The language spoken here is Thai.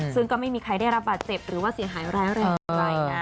ซึ่งก็ไม่มีใครได้รับบาดเจ็บหรือว่าเสียหายร้ายแรงอะไรนะ